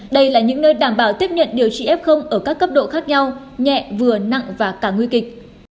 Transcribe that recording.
đây là những nơi đảm bảo tiếp nhận điều trị f ở các cấp độ khác nhau nhẹ vừa nặng và cả nguy kịch